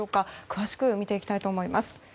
詳しく見ていきたいと思います。